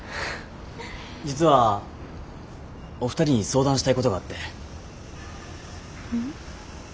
実はお二人に相談したいことがあって。